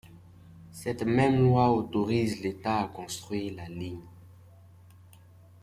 Cette même loi autorise l'État à construire la ligne.